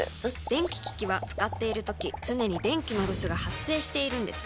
電気機器は使っているとき常に電気のロスが発生しているのです。